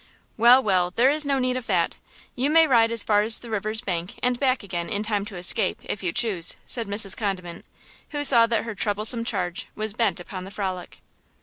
"Well, well, there is no need of that! You may ride as far as the river's bank and back again in time to escape, if you choose!" said Mrs. Condiment, who saw that her troublesome charge was bent upon the frolic.